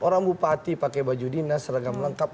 rambupati pakai baju dinas seragam lengkap